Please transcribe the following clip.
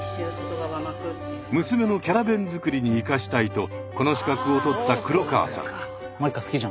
娘のキャラ弁作りに生かしたいとこの資格を取った黒川さん。